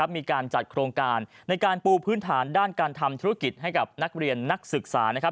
มีการจัดโครงการในการปูพื้นฐานด้านการทำธุรกิจให้กับนักเรียนนักศึกษานะครับ